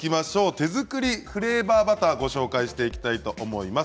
手作りフレーバーバターをご紹介していきたいと思います。